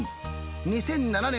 ２００７年